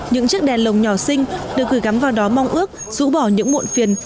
những chiếc đèn lồng nhỏ sinh được gửi gắm vào đó mong ước rũ bỏ những muộn phiền